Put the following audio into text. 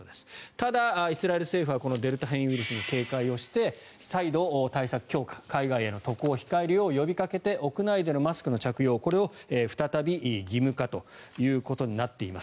ただ、イスラエル政府はこのデルタ変異ウイルスに警戒をして再度、対策強化海外への渡航を控えるよう呼びかけて屋内でのマスクの着用を再び義務化となっています。